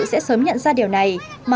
sẽ sớm nhận ra điều này